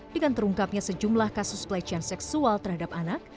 dengan terungkapnya sejumlah kasus pelecehan seksual terhadap anak